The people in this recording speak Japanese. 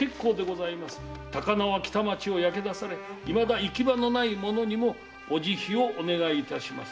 「高輪北町を焼け出されいまだ行き場のない者にもお慈悲をお願いいたします。